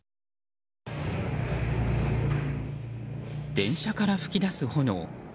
電車から噴き出す炎。